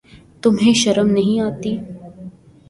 تمہیں شرم نہیں آتی؟